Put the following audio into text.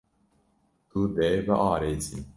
Tu dê biarêsî.